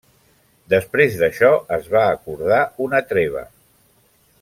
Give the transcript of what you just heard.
Després d'això es va acordar una treva.